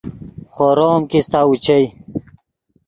خورو ام کیستہ اوچئے